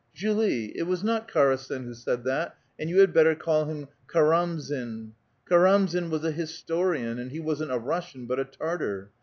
" Julie ! it was not Karasen who said that, and you had better call him Karamzin. Karamzin was a historian, and f he wasn't a Russian, but a Tartar.